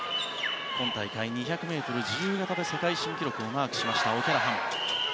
今大会２００ｍ自由形で世界記録をマークしたオキャラハン。